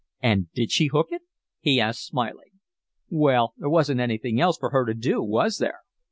"And did she hook it?" he asked smiling. "Well, there wasn't anything else for her to do, was there?"